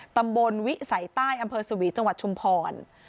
ตำบลวิสัยใต้อำเภอสวีจังหวัดชุมพร